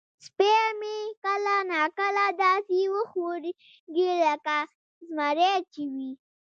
سپی مې کله نا کله داسې وخوریږي لکه زمری چې وي.